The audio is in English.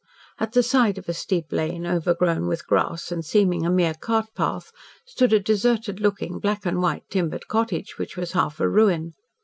At the side of a steep lane, overgrown with grass, and seeming a mere cart path, stood a deserted looking, black and white, timbered cottage, which was half a ruin.